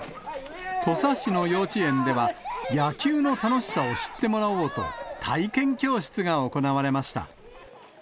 土佐市の幼稚園では、野球の楽しさを知ってもらおうと、体験教室が行われました。